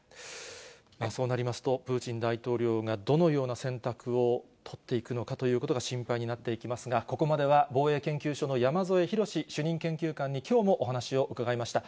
そうなりますと、プーチン大統領がどのような選択を取っていくのかということが心配になっていきますが、ここまでは、防衛研究所の山添博史主任研究官にきょうもお話を伺いました。